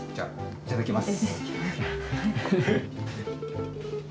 いただきます。